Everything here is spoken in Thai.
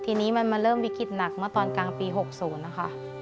ทีนี้มันมาเริ่มวิกฤตหนักเมื่อตอนกลางปี๖๐นะคะ